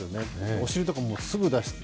お尻とかすぐ出して。